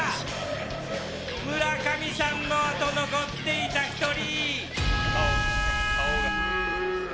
村上さんと残っていた１人が。